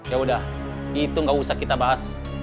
yaudah itu gak usah kita bahas